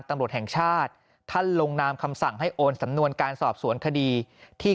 ตำรวจแห่งชาติท่านลงนามคำสั่งให้โอนสำนวนการสอบสวนคดีที่